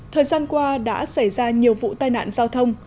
thời gian qua đã xảy ra nhiều vụ tai nạn giao thông